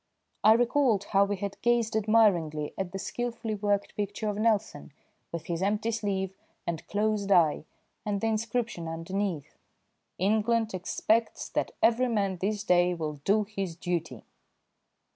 I recalled how we had gazed admiringly at the skilfully worked picture of Nelson with his empty sleeve and closed eye and the inscription underneath: "England expects that every man this day will do his duty."